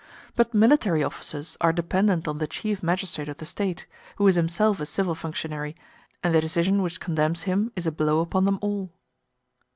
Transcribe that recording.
But military officers are dependent on the chief magistrate of the State, who is himself a civil functionary, and the decision which condemns him is a blow upon them all.